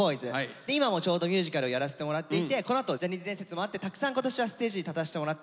で今もちょうどミュージカルをやらせてもらっていてこのあと「ジャニーズ伝説」もあってたくさん今年はステージに立たせてもらったので。